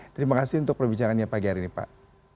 terima kasih untuk perbicaraannya pagi hari ini pak